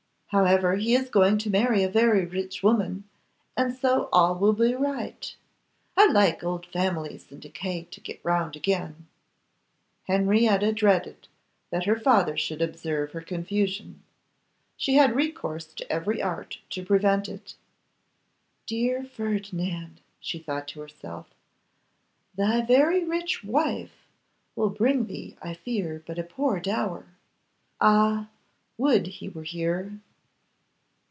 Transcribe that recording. However, he is going to marry a very rich woman, and so all will be right. I like old families in decay to get round again.' Henrietta dreaded that her father should observe her confusion; she had recourse to every art to prevent it. 'Dear Ferdinand,' she thought to herself, 'thy very rich wife will bring thee, I fear, but a poor dower. Ah! would he were here!